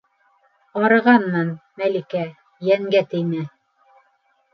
Арығанмын, Мәликә, йәнгә теймә.